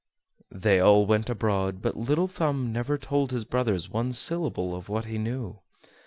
They all went abroad, but Little Thumb never told his brothers one syllable of what he knew.